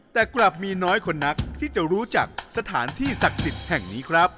แต่กลับมีน้อยคนนักที่จะรู้จักสถานที่ศักดิ์สิทธิ์แห่งนี้ครับ